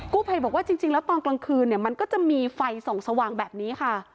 ภัยบอกว่าจริงแล้วตอนกลางคืนเนี่ยมันก็จะมีไฟส่องสว่างแบบนี้ค่ะ